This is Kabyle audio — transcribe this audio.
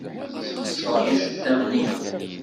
Sxeṣreɣ iceḍḍiḍen-inu.